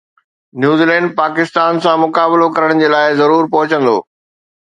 New Zealand Pakistan سان مقابلو ڪرڻ جي لاءِ ضرور پهچندو